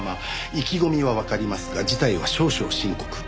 意気込みはわかりますが事態は少々深刻。